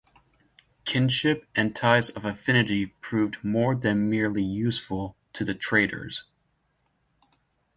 Kinship and ties of affinity proved more than merely useful to the traders.